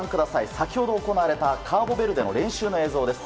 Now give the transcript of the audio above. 先ほど行われたカーボベルデの練習の映像です。